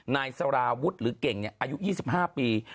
นายสาราวุฒิหรือเก่งอายุ๒๕ปี